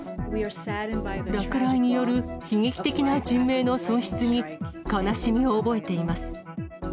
落雷による悲劇的な人命の損失に、悲しみを覚えています。